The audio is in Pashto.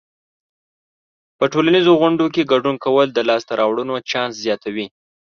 په ټولنیزو غونډو کې ګډون کول د لاسته راوړنو چانس زیاتوي.